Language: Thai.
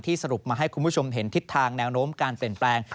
สรุปมาให้คุณผู้ชมเห็นทิศทางแนวโน้มการเปลี่ยนแปลง